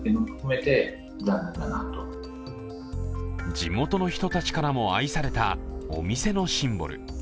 地元の人たちからも愛されたお店のシンボル。